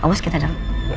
oh bos kita dalam